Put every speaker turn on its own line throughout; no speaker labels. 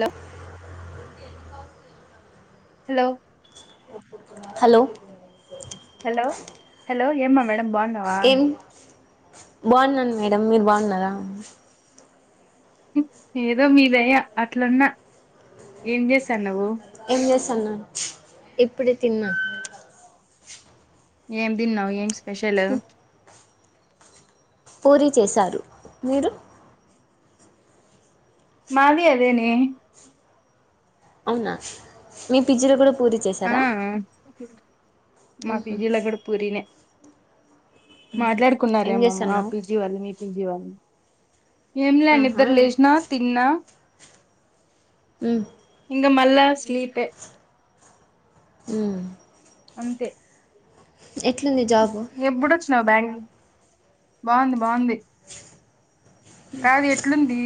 లో hello
hello
hello hello ఏమమె బాన్నావా
బావున్నాను మేడం మీరు బావున్నారా?
ఏదో మీదయ అట్లున్న ఏం చేస్తాన్నావు?
ఏం చేస్తాన్నా ఇప్పుడే తిన్నా
ఏం తిన్నావ్ ఏంస్ పెషలు
పూరి చేశారు మీరు
మాది అదే నే
అవునా మీ పిజ్జిలో కూడా పూరీ
ఆ
చేశారా
ఉ
ఉహు
మాఫీజిలో గూడ పూరినే
ఏం
మాట్లాడుకున్నారేమమ్మా
చేస్తున్నావ్
పీజీ వాళ్ళు, మీ పీజీ వాళ్లు. ఏం లేం
ఆహా
నిద్రా లేసినా తిన్నా
ఉ
ఇంగ మళ్ళా స్లీపె
ఉ
అంతే
ఎట్లుంది జాబు?
ఆ బ్యాంక్ బావుంది బావుంది కాదు ఎట్లుంది?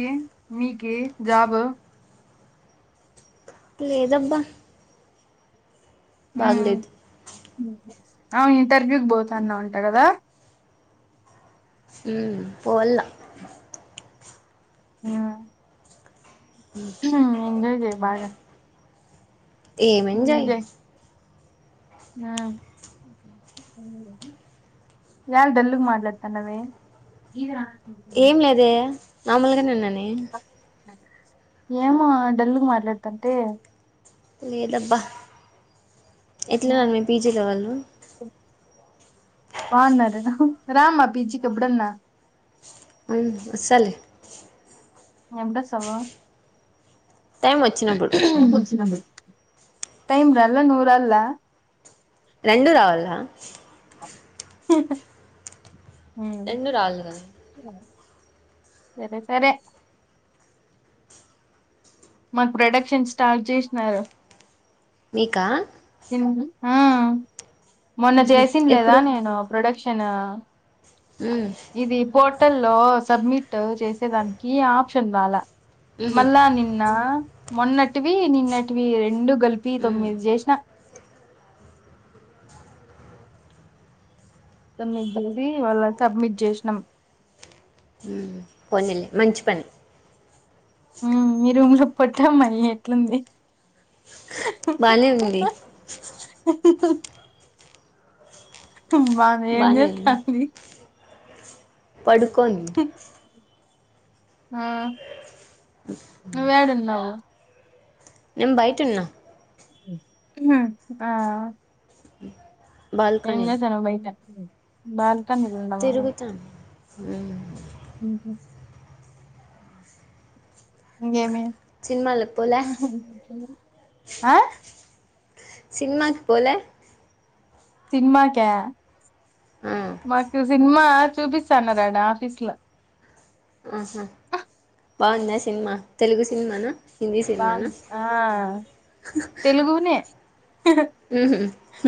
మీకి జాబ్
లేదబ్బా బాగలేదు.
ఆ ఇంటర్వ్యూకి పోతాన్నావంటా కదా.
ఉ పోవాల్లా
ఆ
ఉ
ఎంజయ్ చేయి బాగా
ఏం ఎంజాయ్
ఆ ఎల్ డల్ గా మాట్లాడ్తానవే
ఏం లేదే మామలుగానే ఉన్నానే ఏన్
ఏమో డల్లుగా మాట్లాడ్తంటే
లేదబ్బా ఎట్లున్నారు మీ పీ. జీలో వాళ్ళు
బాగున్నారు రా రామా పీ. జికీ ఎప్పుడు అన్న
ఆమ్ వస్సలే
ఎప్పుడోస్సవు
టైం వచ్చినప్పుడు హ్మ్
టైం రాల్ల నూ రాళ్ల
రెండు రావాలా
[unintelligible] మ్మ్
రెండు రాళ్ళు కదా
సరే సరే మాకు ప్రొడక్షన్ స్టార్ట్ చేస్నరు
మీకా
ఆహ్ మొన్న
ఉహు
చేసింద్ లేదా.
ఎప్పుడు
నేను ప్రొడక్షన్ నిన్నా
ఉ
ఆ ఇది పోట్ టల్లో సబ్మిట్ చేసేదానికి ఆప్షన్ వాలా
ఉహు
మళ్ళ నిన్నా మొన్నటివి, నిన్నటివి రెండు కలిపి
ఉ
తొమ్మిది చేస్న సమిట్ చేసి ఇవాళ్ళ సబ్మిట్ చేస్నాం.
హ్మ్ పోనిల్లే మంచి పని
ఉహ్మ్ మీ రూమ్లో పొట్టమ్మాయి ఎట్లుంది. హే
బాన్నే ఉంది
బాన్నే ఏం
బానే
జేస్తాంధి
పడుకొంది
ఆ నువేడున్నావు
నేను బయ్టున్నా.
హ్మ్ ఆ ఏం
బాల్కనీ
జెస్తనావ్ బయట బాల్ కన్ ఉన్నవా
మ్
మ్ హు
ఇంకా
ఇంకేమి
సినిమలక్ పోలే
ఆ
సినిమాకి పోలే.
సినిమాకా
ఆ
మాకు సినిమా చూపిస్త అన్నరాడా ఆఫీస్ ల
ఆహా బాగుందా సినిమా తెలుగు సినిమానా. హిందీ సినిమానా
ఆ తెలుగునే
ఉహు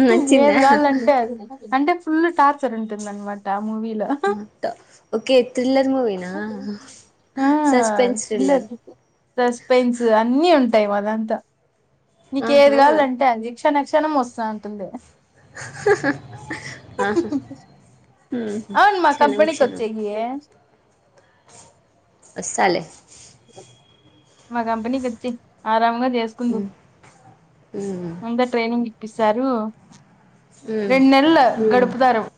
నచ్చిందా
ఏది కావలంటే అది అంటే. ఫుల్ టార్చర్ ఉంటుంది అన్నమాట
అంతా ఓకే థ్రిల్లర్ మూవీ.
ఆ
థ్రిల్లర్
ఇందులో సస్పెన్స్ అన్ని ఉంటా ఇవాలంతా. నీకేది
ఆహా
కావాలంటే అది. క్షణ క్షణం వస్తా అంటుంది.
హా హా ఆహా ఉహు
అవును మా
క్షణం
కంపెనీకి
క్షణం
వచ్చేయ్యి.
ఒస్తాలే
మా కంపెనీ కి వచ్చేయి ఆరామ్ గ వర్క్ చేస్తుండు,
ఉమ్ ఉమ్
అంత ట్రైనింగే. పిసరు
ఉమ్
రెండు నెల్లు గడువు. దరువు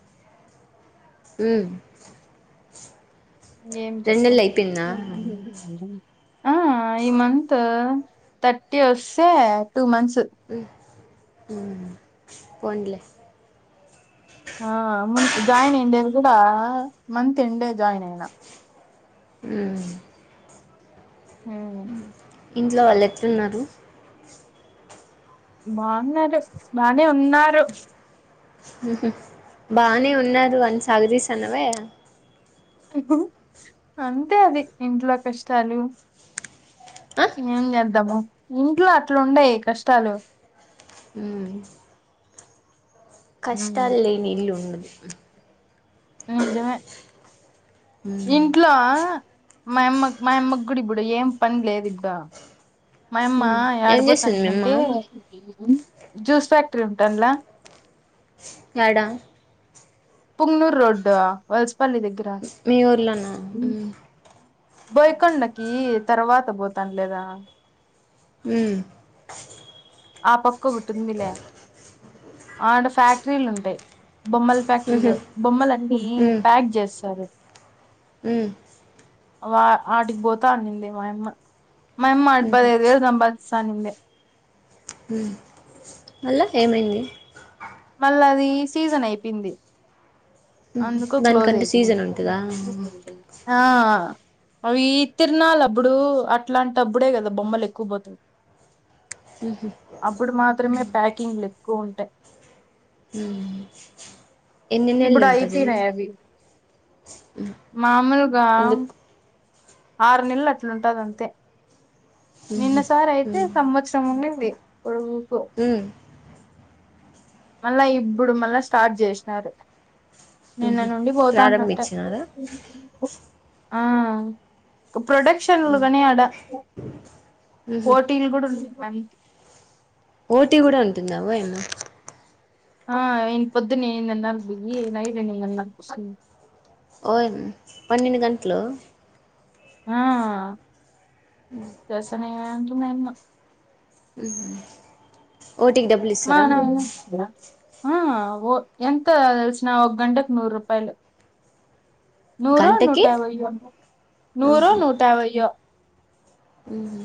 మ్
ఏం చెప్పు
అయిపోయిందా
ఆ ఈ మంత్ థర్టీ వస్తే టూ మంత్స్.
మ్ ఉమ్ పోన్లే
ఆ ముందు జాయిన్ అయుండేది కూడా మంత్ ఎండే జాయిన్ అయినా.
మ్
హమ్
ఇంట్లో వాళ్ళు ఎట్లున్నారు.
బాగున్నారు, బానే ఉన్నారు.
బానే ఉన్నారు అని సాగదీస్తాన్నవే.
అంతే అది ఇంట్లో కష్టాలు
ఆ
ఏం చేద్దాము ఇంట్లో అట్ల ఉండయి కష్టాలు
ఉమ్
ఉమ్
కష్టాలు లేని ఇల్లు ఉండదు
నిజమే
ఉమ్
ఇంట్లో మా యమ్మ మా యమ్మ గూడ ఇప్పుడు ఏం పన్లేదు ఇప్పుడు మాయమ్మ
ఉమ్ ఏం చేస్తుంది మీ
ఏడపోతాను
అమ్మ
అంటే జ్యూస్ ఫ్యాక్టరీ ఉంటాన్ల
యాడ
పుంగ్నూర్ రోడ్ వల్సపల్లి దగ్గర
మీ ఊర్లోనా
ఉమ్ బోయకొండకి తర్వాత పోతానులేదా
మ్
ఆ ప క్కో కటుందిలే ఆడ ఫ్యాక్టరీలు ఉంటయి బొమ్మల
ఉహు
ఫ్యాక్టరీలో బొమ్మలన్ని ప్యాక్ చేస్తారు
అ
వా ఆటికి పోతా ఉన్నింది మాయమ్మ మాయమ్మ ఆడ
ఉహు
పదైదువేలు సంపాదిస్ తనిందే
మ్ మళ్ళా ఏమైంది
మళ్ళ అది సీజన్ అయిపోయింది
ఊహు
అందుకో క్లోజ్
దానికంటే
అయిపోయింది
సీజన్ ఉంటదా
ఆ ఆ అవి తిర్ నాలా అప్పుడు అట్లాంటిప్పుడే కదా బొమ్మలు ఎక్కువ పోతయి
ఉ హు
మాత్రమే ప్యాకింగ్లు ఎక్కువ ఉంటాయి
ఎన్ని నెలలు
ఇప్పుడు
ఉంటది
అయిపోయినాయి అవి మామూలు గా
ఎందుకు
ఆరు నెలలు అట్లుంటది అంతే నిన్న సార్ అయితే సంవత్సరం ఉండింది ఇప్పుడు
హు
మళ్ళా ఇప్పుడు మళ్ళా స్టార్ట్ చేసినారు నిన్న
ఊహు
నుండి పోతానంట
ప్రారంభించినారా
ఆ ప్రొడక్షన్లు గానీ ఆడా పోటీలు గుడు ఉంటాయి వాళ్ళకి
పోటీ గూడ ఉంటుందా ఓయమ్మ
ఆ ఇ పొద్దునే ఏడు నన్నాల్ బోయి నై ఎనిమిది నన్నాల్
ఓయిన్ పన్నెండు గంటలు
ఆ దసనీయే అంటూనే అమ్మ
ఓటీకి డబ్బులు
మా
ఇస్తారా
నాయన ఆ ఓ ఎంత ఎల్సిన ఒక గంటకు నూరు రూపాయలు నూరో నూట
గంటకి
యాబైయో నూరో నూట యాభైయో
మ్మ్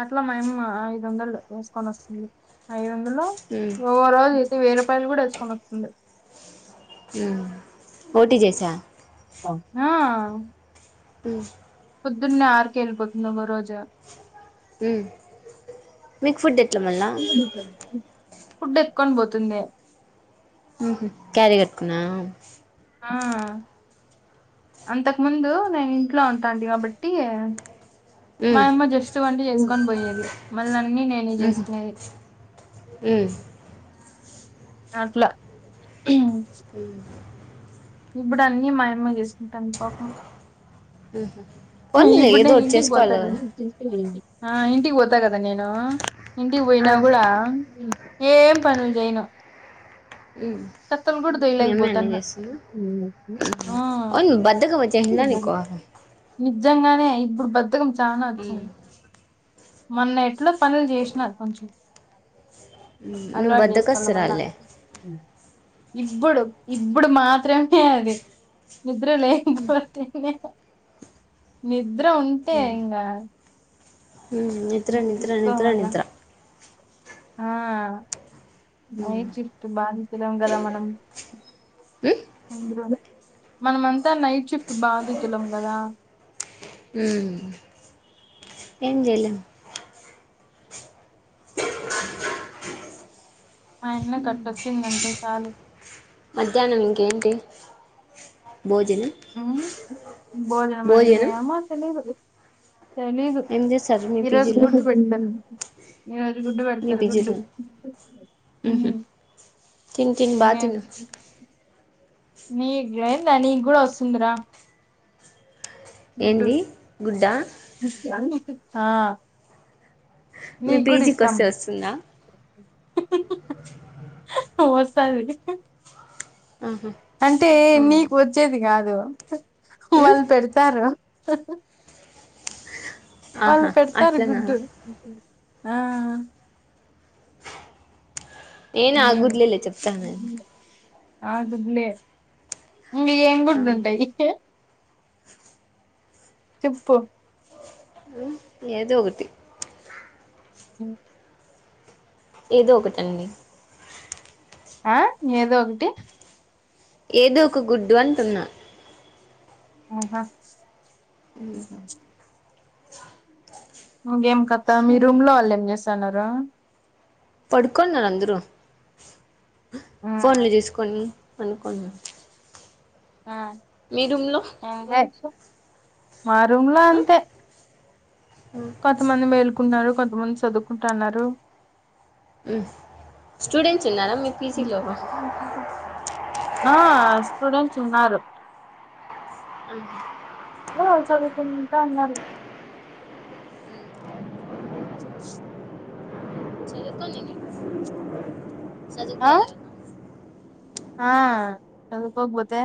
అట్లా మేము ఐదు వందలు తీసుకొని వస్తుంది ఐదు వం లో
మ్
ఒవరోజి ఈ వెయ్యి రూపాయలు గూడ వేసుకొని వత్తుంది
పోటీ జేసా
అవు ఆ
హ్మ్
పొద్దున్నే ఆరుకె వెళ్ళిపోతున్నా ఓగా రోజా
హ్మ్ మీకు ఫుడ్ ఎత్
[unintelligible] ఫుడ్ ఎక్కొని పోతుందే
ఉహు క్యారీ కట్కున్నాము
ఆ అంతకు ముందు నేను ఇంట్లో ఉంటటి గాబట్టి ఏ
మ్
మాయమ్మ జస్ట్ వంట చేసుకు పన్ బోయేది మల్లన్
ఊహ్మ్ ఉం
అట్లా
ఉ
ఇప్పుడు అన్నీ మాయమ్మ చేసింది కంది పాప ఉం
ఊహు పోనీలే
ఇప్పుడు
ఏదో
నేను
ఒకటి
ఇంటికీ పోతా
చేసుకోవాలి కదా
గదా చేస్తే వేయండి ఆ ఇంటికి వోతాగదా నేను ఇంటి
ఆ
ఒయినా గుడా ఉం ఏం పనులు జేయను తత్తల్ గుడు దెలెక్ బోతు
పని చేస్తుండ్రు ఊహ్మ్ అవును
ఆ
బద్దకం వచ్చేసిందా నీకు
నిజంగానే ఇప్పుడు బద్దకం
మ్మ్,
తానవొచింది మొన్న ఎట్లో పనులు చేసినారు కొంచెం
నువ్వు
అల్వాటు జెసుకోవాలా మల
బద్దకస్తురాలే
ఇప్పుడు ఇప్పుడు మాత్రమే అది నిద్ర లేకపోతేనే నిద్ర ఉంటే ఇంగా
మ్మ్, నిద్ర నిద్ర నిద్ర
తీసుకోవాల
నిద్ర
ఆ
మ్మ్.
నైట్ షిఫ్ట్ బాధితులం కదా మనం
మ్మ్?
అందులోను మనమంతా నైట్ షిఫ్ట్ బాధితులం గదా
మ్మ్. ఏం చేయలేం
ఆయన్నే కటొచ్చిందంటే చాలు
మధ్యాహ్నం ఇంకేంటి భోజనం
ఊమ్ భోజనమ
భోజనం
ఏమో తెలిదు తెలీదు
ఏం చేస్తారు మీ
ఈరోజు
పీజీలో
గుడు పెడం ఈ రోజ్ గుడ్
మీ
పెడతారు గుడ్డు
పీజీలో మ్హూ.
ఊమ్
తిను తిను బా తిను
అన్నేసి నీక్ లెంద నీ కూడా వసుందిరా
ఏంది గుడ్డ
ఆ
మీ
నీకు
పీజీకి వస్తే వస్తుందా
వస్తాది
ఆహా
అంటే
ఆ.
నీకు వచ్చేది గాద్ దు
మ్మ్?
వాళ్ళు పెడతారు వాళ్ళు
ఆహా
పెడతారు
అట్లనా
గుడ్డు ఆ ఆ
నేను ఆ
అదే
గుడ్లే లే చెప్తాన
ఆ గుడ్లే ఇంగ ఏం గుడ్లు
ఆ.
ఉంటాయి తిప్పు
ఏదో ఒకటి
ఉమ్
ఏదో ఒకటి అండి
ఆ ఏదో ఒకటి
ఏదో ఒక గుడ్డు అంటున్నా
ఆ హా ఇకేం కథా మీ రూమ్ లో వాళ్ ఏం చేసన్నారు
పడుకున్నారు అందరూ ఫోన్లు జూ సుకొని పడుకున్నర్
ఆ ఏం చే మా రూమ్ల
ఆ?
అంతే కొంతమంది మేలుకున్నారు కొంతమంది చదువుకుంటన్నారు
ఉ స్టూడెంట్ తిన్నార మీ పిసీ లో
ఆ స్టూడెంట్స్ ఉన్నారు. లో చదువుకుంట ఉన్నారు.
చదువుకోని
ఆ
చదువుకోవాలి కదా
హా చదువుకోకపోతే